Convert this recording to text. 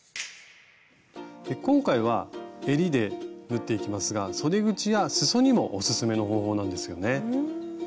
今回はえりで縫っていきますがそで口や裾にもおすすめの方法なんですよね。